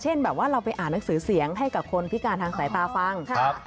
แบบว่าเราไปอ่านหนังสือเสียงให้กับคนพิการทางสายตาฟัง